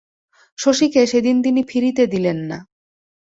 শশীকে সেদিন তিনি ফিরিতে দিলেন না।